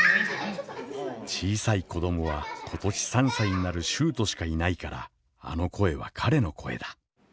「小さい子どもは今年三歳になる秀斗しかいないからあの声は彼の声だ。